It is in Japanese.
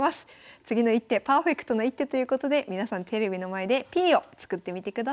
次の一手パーフェクトな一手ということで皆さんテレビの前でＰを作ってみてください。